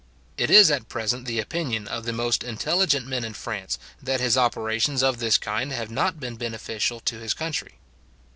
It is at present the opinion of the most intelligent men in France, that his operations of this kind have not been beneficial to his country.